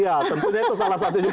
ya tentunya itu salah satu juga